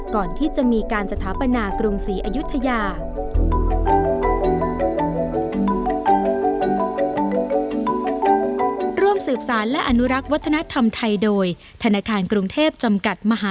ก่อนที่จะมีการสถาปนากรุงศรีอายุทยา